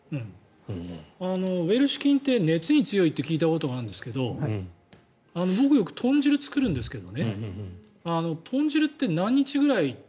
ウエルシュ菌って熱に強いと聞いたことがあるんですが僕、よく豚汁を作るんですけど豚汁って何日ぐらい。